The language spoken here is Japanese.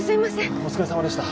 お疲れさまでした。